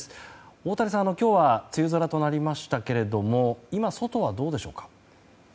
太谷さん、今日は梅雨空となりましたけれども今、外はどうでしょうか。